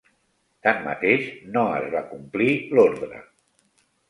Tanmateix, no es va complir l'ordre.